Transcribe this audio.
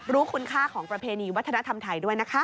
รู้คุณค่าของประเพณีวัฒนธรรมไทยด้วยนะคะ